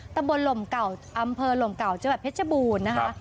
ตำบลลมเก่าอำเภอลมเก่าจังหวัดเพชรบูรณ์นะคะ